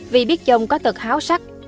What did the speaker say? vì biết chồng có tật háo sắc